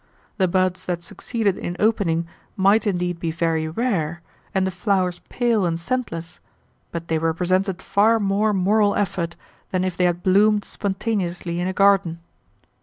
The buds that succeeded in opening might indeed be very rare, and the flowers pale and scentless, but they represented far more moral effort than if they had bloomed spontaneously in a garden.